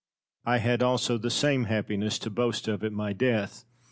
I had also the same happiness to boast of at my death.